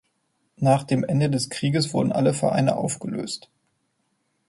Nach dem Ende des Krieges wurden alle Vereine aufgelöst.